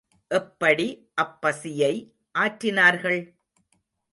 எப்படி அப்பசியை ஆற்றினார்கள்?